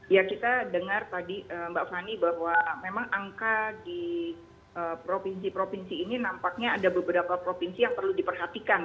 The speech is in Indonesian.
ya kita dengar tadi mbak fani bahwa memang angka di provinsi provinsi ini nampaknya ada beberapa provinsi yang perlu diperhatikan